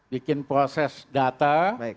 bikin proses data